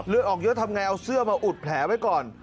ออกเยอะทำไงเอาเสื้อมาอุดแผลไว้ก่อน